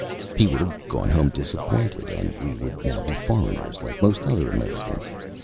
"He would have gone home disappointed, and we would now be foreigners, like most other Americans.